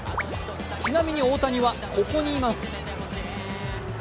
ちなみに、大谷はここにいます。